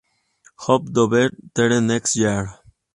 Hope to be there next year!!